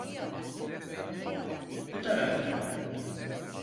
Bu taraftan!